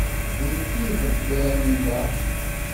D nekk i iḍebbiren da.